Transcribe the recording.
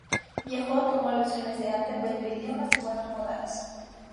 Viajó, tomó lecciones de arte, aprendió idiomas y buenos modales.